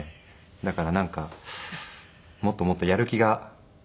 だからなんかもっともっとやる気が湧いてきますね。